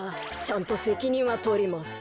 ちゃんとせきにんはとります。